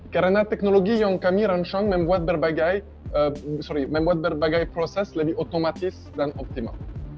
karena teknologi yang kami rencang membuat berbagai proses lebih otomatis dan optimal